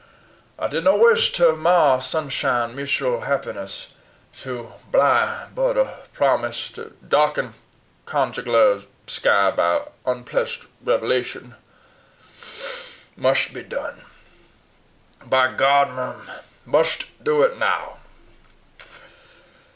I did no wish to mar sushine mushal happ'ness, to bligh bud o' promise, to darken conjuglar sky by unpleasht revelashun. Musht be done by God, m'm, musht do it now.